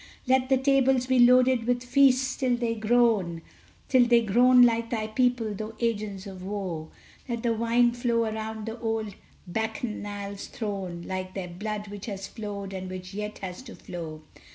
Let the tables be loaded with feasts till they groan! Till they groan like thy people, through ages of woe! Let the wine flow around the old Bacchanal's throne, Like their blood which has flowed, and which yet has to flow.